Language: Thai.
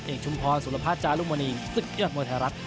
เอกชุมพรสุรพาธิ์จารุมณีศึกรมธรรมไทยรัฐ